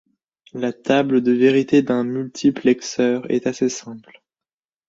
La table de vérité d'un multiplexeur est assez simple.